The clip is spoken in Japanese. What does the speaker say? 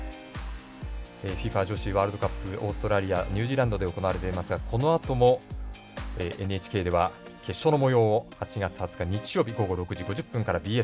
ＦＩＦＡ女子ワールドカップオーストラリアニュージーランドで行われていますがこのあともＮＨＫでは決勝のもようを放送します。